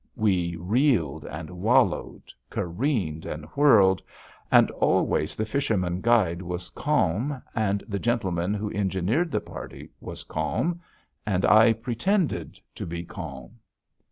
We reeled and wallowed, careened and whirled. And always the fisherman guide was calm, and the gentleman who engineered the party was calm, and I pretended to be calm.